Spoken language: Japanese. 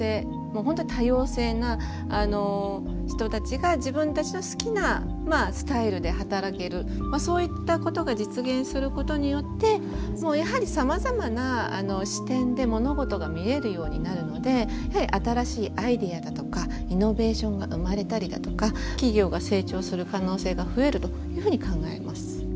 もう本当に多様性な人たちが自分たちの好きなスタイルで働けるそういったことが実現することによってやはりさまざまな視点で物事が見えるようになるので新しいアイデアだとかイノベーションが生まれたりだとか企業が成長する可能性が増えるというふうに考えます。